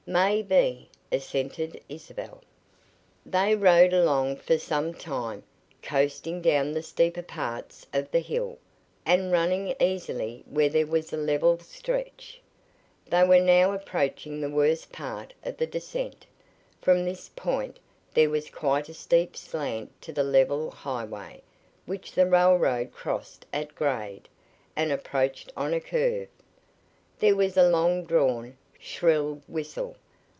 "Maybe," assented Isabel. They rode along for some time, coasting down the steeper parts of the hill, and running easily where there was a level stretch. They were now approaching the worst part of the descent. From this point there was quite a steep slant to the level highway, which the railroad crossed at grade, and approached on a curve. There was a long drawn, shrill whistle.